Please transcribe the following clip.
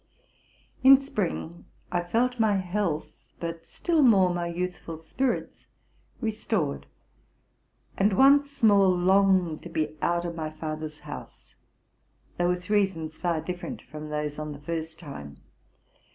In spring I felt my health, but still more my youthful spir its, restored, and once more longed to be out of my father's house, though with reasons far 'different from those on the first time.